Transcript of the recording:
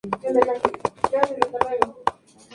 Más tarde anunciaron su boda.